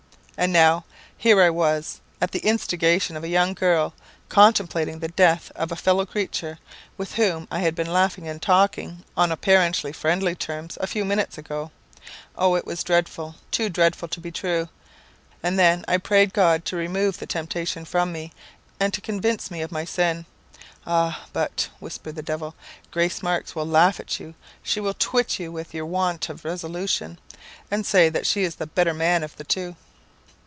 And now, here I was, at the instigation of a young girl, contemplating the death of a fellow creature, with whom I had been laughing and talking on apparently friendly terms a few minutes ago. Oh, it was dreadful, too dreadful to be true! and then I prayed God to remove the temptation from me, and to convince me of my sin. 'Ah, but,' whispered the devil, 'Grace Marks will laugh at you. She will twit you with your want of resolution, and say that she is the better man of the two.'